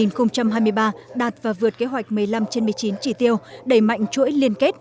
năm hai nghìn hai mươi ba đạt và vượt kế hoạch một mươi năm trên một mươi chín chỉ tiêu đẩy mạnh chuỗi liên kết